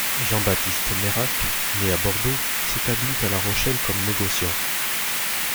Jean-Baptiste Nairac, né à Bordeaux, s'établit à La Rochelle comme négociant.